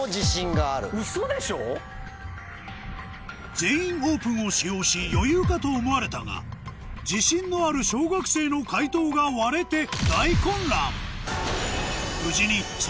「全員オープン」を使用し余裕かと思われたが自信のある小学生の解答が割れて無事にお口は！